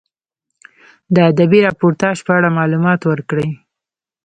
د ادبي راپورتاژ په اړه معلومات ورکړئ.